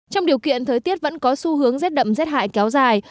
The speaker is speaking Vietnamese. trong điều kiện thời tiết vẫn có xu hướng rét đậm rét hại kéo dài